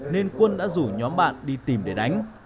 nên quân đã rủ nhóm bạn đi tìm để đánh